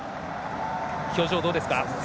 表情はどうですか？